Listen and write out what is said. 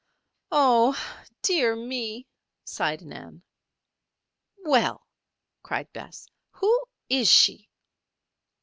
"Oh, dear, me," sighed Nan. "Well!" cried Bess. "Who is she?"